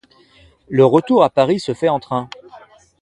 Le retour à Paris se fait en train.